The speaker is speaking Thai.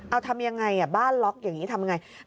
เอาทำอย่างไรบ้านล็อกอย่างนี้ทำอย่างไร